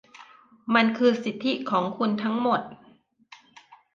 มันคือสิทธิของคุณทั้งหมด